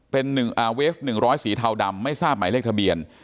เป็นอ่าเวฟหนึ่งร้อยสีเทาดำไม่ทราบหมายเลขทะเบียน